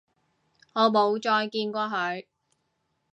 我冇再見過佢